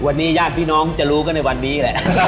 วันนี้ญาติพี่น้องจะรู้กันในวันนี้แหละ